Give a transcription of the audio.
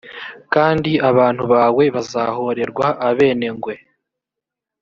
kandi abantu bawe bazahorerwa abenengwe